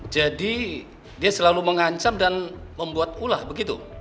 jadi dia selalu mengancam dan membuat ulah begitu